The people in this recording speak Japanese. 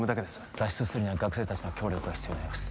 脱出するには学生達の協力が必要になります